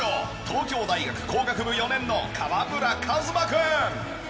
東京大学工学部４年の川村一馬君。